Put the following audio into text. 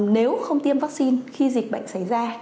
nếu không tiêm vaccine khi dịch bệnh xảy ra